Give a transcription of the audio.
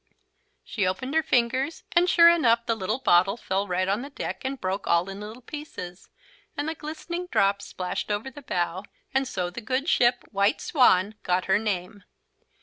She opened her fingers and, sure enough, the little bottle fell right on the deck and broke all in little pieces, and the glistening drops splashed over the bow, and so the good ship "White Swan" got her name.